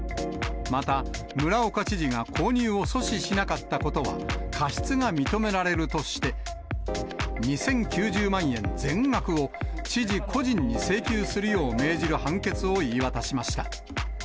また村岡知事が購入を阻止しなかったことは過失が認められるとして、２０９０万円全額を知事個人に請求するよう命じる判決を言い渡しました。